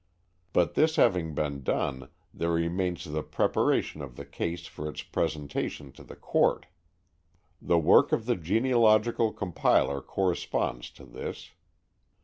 But this having been done, there remains the preparation of the case for its presentation to the court. The work of the genealogical compiler corresponds to this.